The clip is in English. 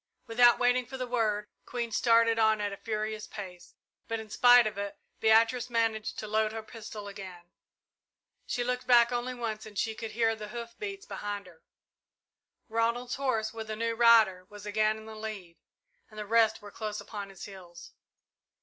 Without waiting for the word, Queen started on at a furious pace, but in spite of it, Beatrice managed to load her pistol again. She looked back only once, for she could hear the hoof beats behind her. Ronald's horse, with a new rider, was again in the lead, and the rest were close upon his heels.